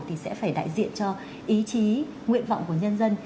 thì sẽ phải đại diện cho ý chí nguyện vọng của nhân dân